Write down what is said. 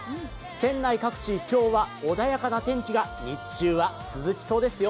県内各地、今日は穏やかな天気が日中は続きそうですよ。